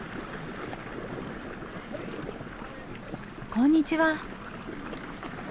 こんにちは。